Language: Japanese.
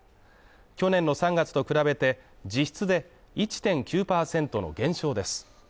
去年の３月と比べて実質で１．９％の減少です。